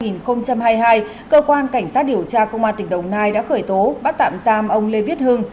năm hai nghìn hai mươi hai cơ quan cảnh sát điều tra công an tỉnh đồng nai đã khởi tố bắt tạm giam ông lê viết hưng